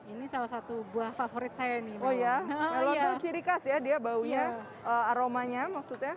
ini salah satu buah favorit saya nih oh ya kalau itu ciri khas ya dia baunya aromanya maksudnya